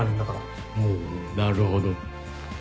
なるほど。